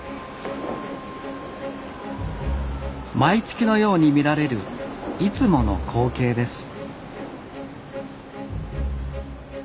毎月のように見られるいつもの光景です